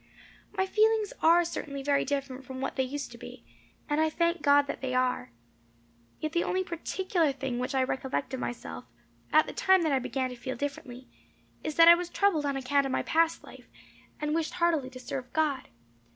"My feelings are certainly very different from what they used to be, and I thank God that they are. Yet the only particular thing which I recollect of myself, at the time that I began to feel differently, is that I was troubled on account of my past life, and wished heartily to serve God.